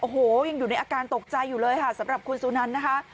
โอ้โหยังอยู่ในอาการตกใจอยู่เลยค่ะสำหรับคุณสุนันนะคะ